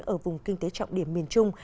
ở vùng kinh tế trọng điểm miền trung